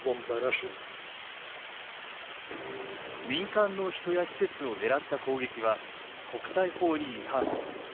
民間の人や施設を狙った攻撃は国際法に違反。